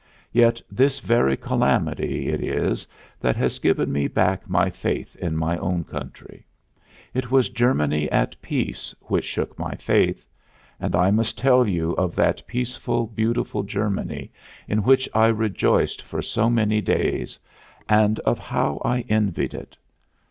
Yet this very Calamity it is that has given me back my faith in my own country. It was Germany at peace which shook my faith; and I must tell you of that peaceful, beautiful Germany in which I rejoiced for so many days, and of how I envied it.